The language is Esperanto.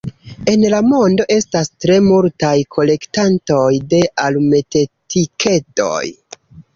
En la mondo estas tre multaj kolektantoj de alumetetikedoj.